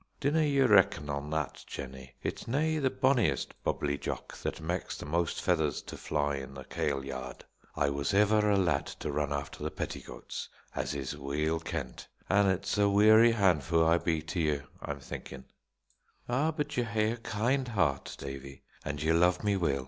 "Dinna ye reckon on that, Jennie; it's nae the bonniest Bubbly Jock that mak's the most feathers to fly in the kailyard. I was ever a lad to run after the petticoats, as is weel kent; an' it's a weary handfu' I'll be to ye, I'm thinkin'." "Ah, but ye hae a kind heart, Davie! an' ye love me weel.